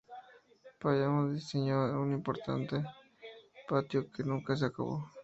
Palladio diseñó un imponente patio que nunca se acabó.